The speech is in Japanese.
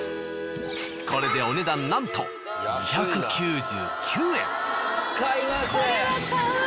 これでお値段なんと２９９円。